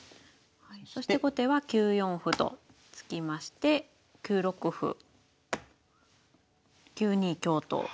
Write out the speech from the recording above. そして後手は９四歩と突きまして９六歩９二香と。